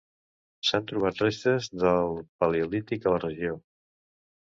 S'han trobat restes del paleolític a la regió.